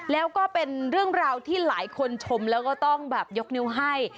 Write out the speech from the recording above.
แล้วก็เป็นเรื่องราวที่หลายคนชมแล้วก็ต้องแบบยกนิ้วให้